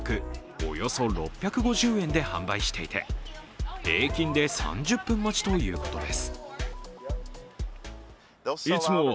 およそ６５０円で販売していて、平均で３０分待ちということです。